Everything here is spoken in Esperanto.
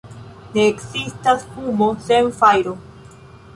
Ne ekzistas fumo sen fajro.